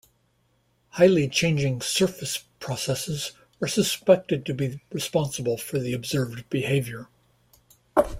Highly changing surface processes are suspected to be responsible for the observed behavior.